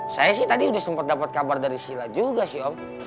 saya sih tadi udah sempat dapat kabar dari sila juga sih om